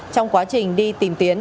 trong quá trình đi tìm tiến